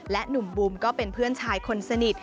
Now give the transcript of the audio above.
หนุ่มบูมก็เป็นเพื่อนชายคนสนิท